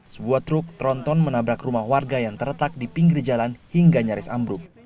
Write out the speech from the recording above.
sebuah truk tronton menabrak rumah warga yang terletak di pinggir jalan hingga nyaris ambruk